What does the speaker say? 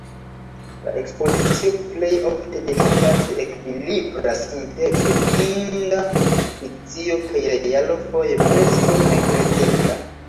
La ekspozicio plej ofte delikate ekvilibras inter kredinda fikcio kaj realo foje preskaŭ nekredebla.